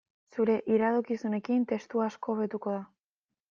Zure iradokizunekin testua asko hobetuko da.